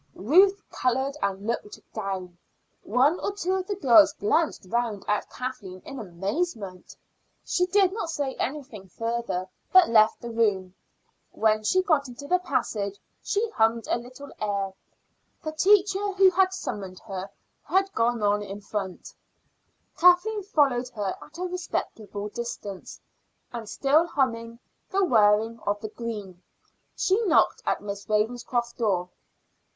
Ruth colored and looked down. One or two of the girls glanced round at Kathleen in amazement. She did not say anything further but left the room. When she got into the passage she hummed a little air. The teacher who had summoned her had gone on in front. Kathleen followed her at a respectful distance, and still humming "The wearing of the Green," she knocked at Miss Ravenscroft's door.